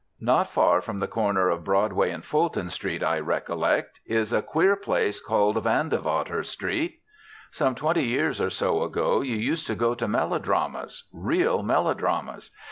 Not far from the corner of Broadway and Fulton Street, I recollect, is a queer place called Vandewater Street. Some twenty years or so ago you used to go to melodramas, real melodramas.